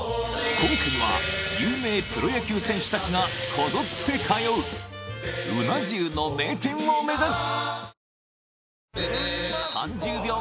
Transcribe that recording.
今回は有名プロ野球選手達がこぞって通ううな重の名店を目指す！